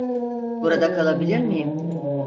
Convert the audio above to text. Burada kalabilir miyim?